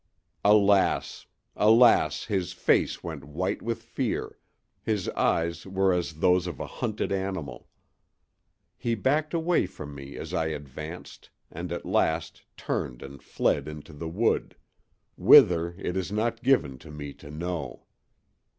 Alas! alas! his face went white with fear, his eyes were as those of a hunted animal. He backed away from me, as I advanced, and at last turned and fled into the wood—whither, it is not given to me to know.